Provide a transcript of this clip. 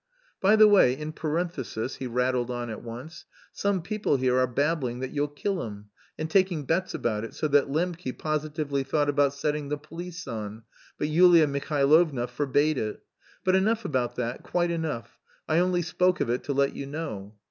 "By the way, in parenthesis," he rattled on at once, "some people here are babbling that you'll kill him, and taking bets about it, so that Lembke positively thought of setting the police on, but Yulia Mihailovna forbade it.... But enough about that, quite enough, I only spoke of it to let you know.